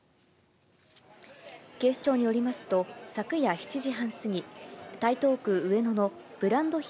警視庁によりますと、昨夜７時半過ぎ、台東区上野のブランド品